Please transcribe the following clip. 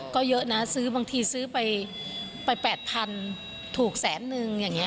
ก็เยอะนะบางทีซื้อไป๘๐๐๐ถูกแสนนึง